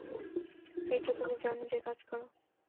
বিট্টো, তুমিও যাও, নিজের কাজ করো।